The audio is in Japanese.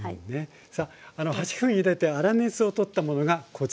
さあ８分ゆでて粗熱を取ったものがこちらに。